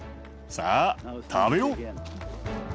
さあ食べよう！